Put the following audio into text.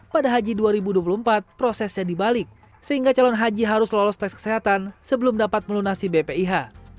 pada haji dua ribu dua puluh empat prosesnya dibalik sehingga calon haji harus lolos tes kesehatan sebelum dapat melunasi bpih